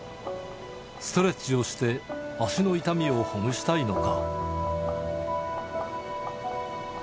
ストレッチをして、足の痛みをほぐしたいのか。